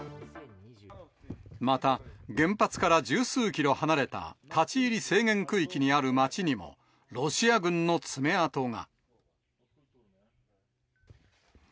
また、原発から十数キロ離れた、立ち入り制限区域にある町にも、ロシア軍の爪痕が。